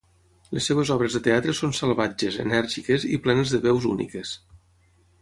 Les seves obres de teatre són salvatges, enèrgiques i plenes de veus úniques.